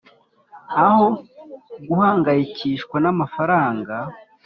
Aho guhangayikishwa n amafaranga